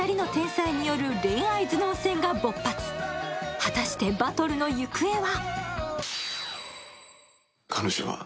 果たしてバトルの行方は？